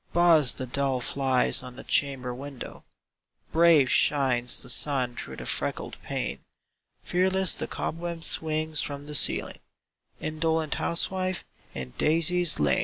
Buzz the dull flies on the chamber window; Brave shines the sun through the freckled pane; Fearless the cobweb swings from the ceiling Indolent housewife, in daisies lain!